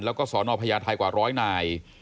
และก็สอนอพยาทายกว่าร้อยนาย